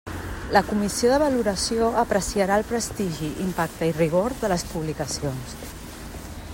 La Comissió de Valoració apreciarà el prestigi, impacte i rigor de les publicacions.